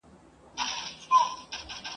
په ټولنه کي به د خپل ارزښت